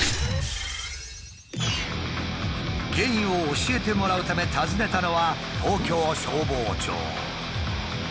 原因を教えてもらうため訪ねたのは東京消防庁。